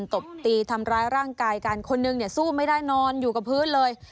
ตบตีทำร้ายร่างกายกันคนนึงเนี่ยสู้ไม่ได้นอนอยู่กับพื้นเลย